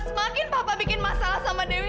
semakin papa bikin masalah sama dewi